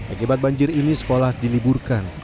akibat banjir ini sekolah diliburkan